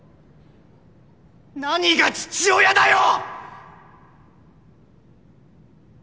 何が父親だよ！！